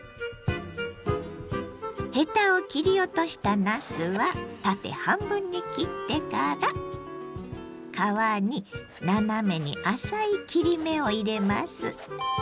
ヘタを切り落としたなすは縦半分に切ってから皮に斜めに浅い切り目を入れます。